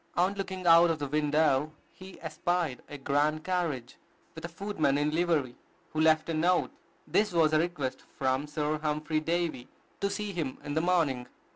On looking out of the window, he espied a grand carriage, with a footman in livery, who left a note. This was a request from Sir Humphry Davy to see him in the morning.